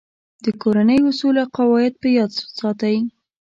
د کورنۍ اصول او قواعد په یاد ساتئ.